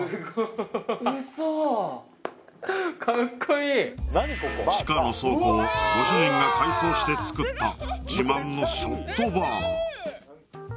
いい地下の倉庫をご主人が改装してつくった自慢のショットバー